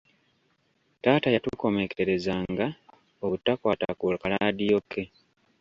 Taata yatukomekkerezanga obutakwatanga ku kalaadiyo ke.